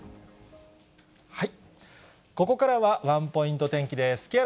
ここからはワンポイント天気です。